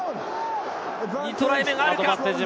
２トライ目があるか？